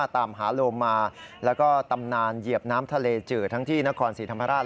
ตามหาโลมาแล้วก็ตำนานเหยียบน้ำทะเลจืดทั้งที่นครศรีธรรมราช